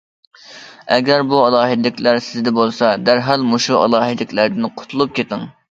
ئەگەر بۇ ئالاھىدىلىكلەر سىزدە بولسا، دەرھال مۇشۇ ئالاھىدىلىكلەردىن قۇتۇلۇپ كېتىڭ.